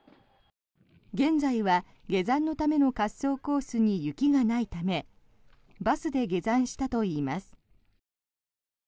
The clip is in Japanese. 現在は下山のための滑走コースに雪がないためバスで下山したといいます。